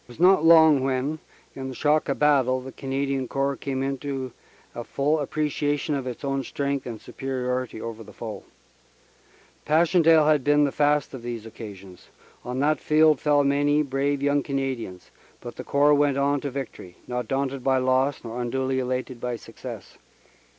It was not long when in the shock of battle the Canadian Corps came into a full apprecia THE CANADIAN CORPS READY FOR BATTLE 11 tion of its own strength and superiority over the foe. Pass chendaele had been the fast of these occasions. On that field fell many brave young Canadians, but the Corps went on to victory, not daunted by loss nor unduly elated by success.